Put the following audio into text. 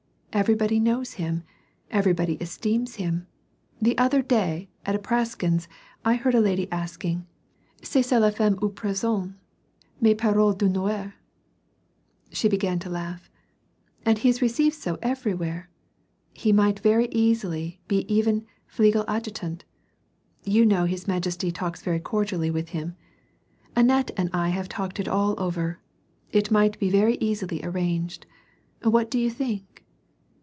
Everybody knows him. Everybody esteems him. The other day at the Apraksin's I heard a lady asking :* Cest ga la fameux Prince Andre? ^ Ma parole (Thonneury^ — she began to laugh —" he is received so everywhere. He might very easily be even fligel adjutant. You kuow his majesty talks very cordially with him. Annette and I have talked it all over ; it might be very easily arranged. What do you think